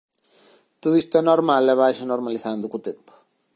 Todo isto é normal e vaise normalizando co tempo.